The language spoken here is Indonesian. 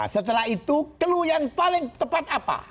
setelah itu clue yang paling tepat apa